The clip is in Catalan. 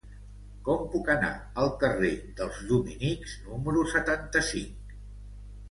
Com puc anar al carrer dels Dominics número setanta-cinc?